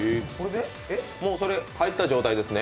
もうそれ、入った状態ですね？